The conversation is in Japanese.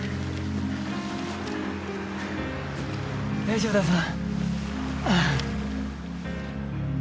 大丈夫だぞ。